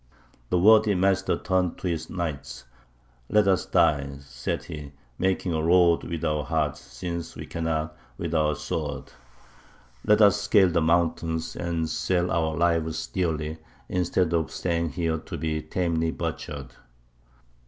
"The worthy Master turned to his knights: 'Let us die,' said he, 'making a road with our hearts, since we cannot with our swords. Let us scale the mountains, and sell our lives dearly, instead of staying here to be tamely butchered.'